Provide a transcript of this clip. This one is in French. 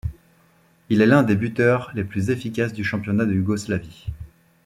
Il est l'un des buteurs les plus efficaces du championnat de Yougoslavie.